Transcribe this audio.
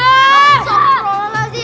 masa berantem lagi